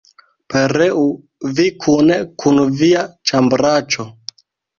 Pereu vi kune kun via ĉambraĉo!